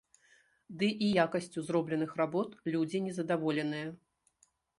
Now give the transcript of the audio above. Ды і якасцю зробленых работ людзі не задаволеныя.